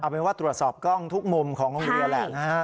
เป็นว่าตรวจสอบกล้องทุกมุมของโรงเรียนแหละนะฮะ